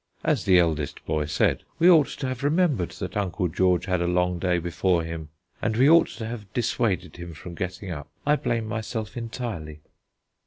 As the eldest boy said: "We ought to have remembered that Uncle George had a long day, before him, and we ought to have dissuaded him from getting up. I blame myself entirely."